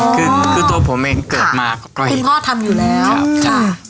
คือคือตัวผมเองเกิดมาก็เห็นคุณพ่อทำอยู่แล้วครับค่ะ